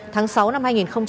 tháng sáu năm hai nghìn hai mươi